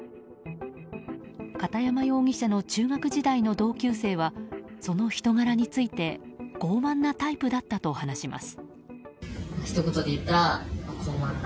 片山容疑者の中学時代の同級生はその人柄について傲慢なタイプだったと話します。